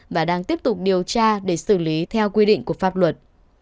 và đang tiếp tục điều tra để xử lý theo quy định của pháp luật